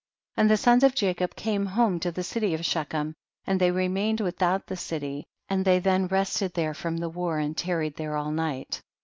17. And the sons of Jacob came home to the city of Shechem, and they rem.ained without the city, and they then rested there from the war, and tarried there all night.